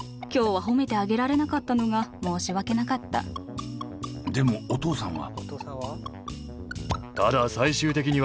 早速でもお父さんは。